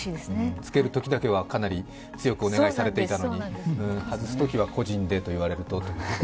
つけるときだけはかなり強くお願いされていたのに外すときは個人でと言われると。